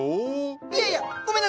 いやいやごめんなさい。